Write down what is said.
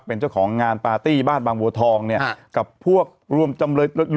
เป็นเจ้าของงานปาร์ตี้บ้านบางบัวทองเนี่ยกับพวกรวมจำเลย